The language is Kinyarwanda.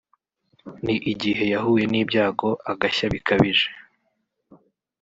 ni igihe yahuye n’ibyago agashya bikabije